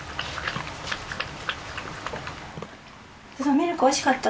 ミルクおいしかった？